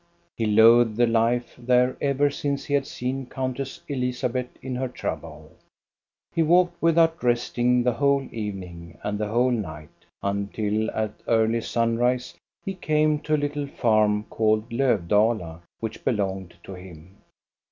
He loathed the life there ever since he had seen Coun tess Elizabeth in her trouble. He walked without resting the whole evening and the whole night, until at early sunrise he came to a little farm, called Lofdala, which belonged to him.